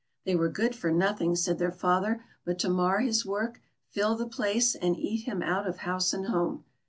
They were good for nothing, said their father, but to mar his work, fill the place, and eat him out of house and home.